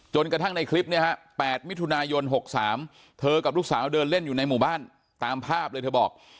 กระทั่งในคลิปเนี่ยฮะ๘มิถุนายน๖๓เธอกับลูกสาวเดินเล่นอยู่ในหมู่บ้านตามภาพเลยเธอบอก